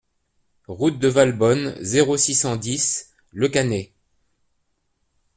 Route de Valbonne, zéro six, cent dix Le Cannet